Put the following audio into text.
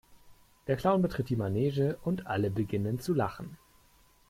Der Clown betritt die Manege und alle beginnen zu Lachen.